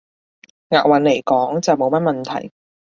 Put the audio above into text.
押韻來講，就冇乜問題